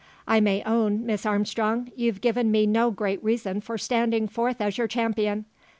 I may own, Miss Armstrong, you've given me no great reason for standing forth as your champion.